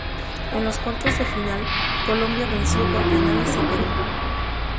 En los cuartos de final, Colombia venció por penales a Perú.